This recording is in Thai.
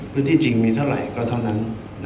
พื้นที่จริงมีเท่าไหร่ก็เท่านั้น